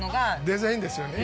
デザインですよね。